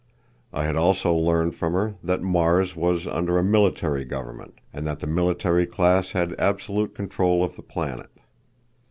I had also learned from her that Mars was under a military government, and that the military class had absolute control of the planet.